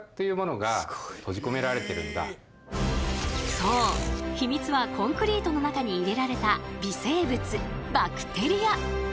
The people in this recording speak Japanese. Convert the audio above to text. そう秘密はコンクリートの中に入れられた微生物バクテリア。